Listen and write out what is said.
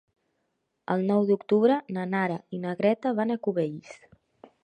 El nou d'octubre na Nara i na Greta van a Cubells.